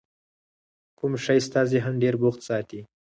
کوم شی ستا ذهن ډېر بوخت ساتي؟